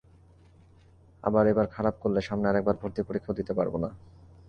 আবার এবার খারাপ করলে সামনে আরেকবার ভর্তি পরীক্ষাও দিতে পারব না।